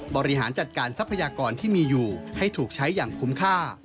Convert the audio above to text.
บริหารจัดการทรัพยากรที่มีอยู่ให้ถูกใช้อย่างคุ้มค่า